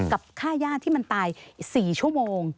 กับค่าย่าที่มันตาย๔ชั่วโมง